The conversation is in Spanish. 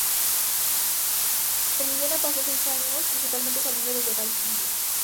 En Indiana pasó seis años, principalmente saliendo desde el banquillo.